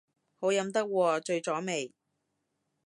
好飲得喎，醉咗未